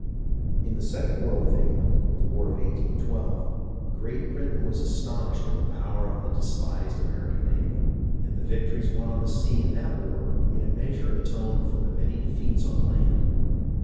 In the second war with England, the War of 1812, Great THE STRUGGLE ON THE SEA 397 Britain was astonished at the power of the despised Amer ican navy ; and the victories won on the sea in that war in a measure atoned for the many defeats on the land.